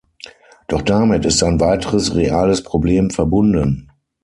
Doch damit ist ein weiteres reales Problem verbunden.